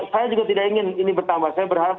saya juga tidak ingin ini bertambah saya berharap